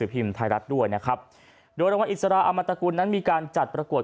พิมพ์ไทยรัฐด้วยนะครับโดยรางวัลอิสราอมตกุลนั้นมีการจัดประกวด